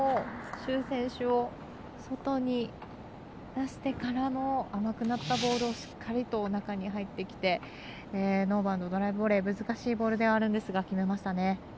朱選手を外に出してからの甘くなったボールをしっかりと中に入ってきてノーバウンドのドライブボレー難しいボールではあるんですが決めましたね。